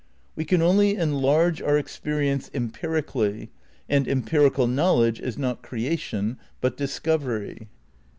We can only enlarge our experience em pirically, and empirical knowledge is not creation but discovery.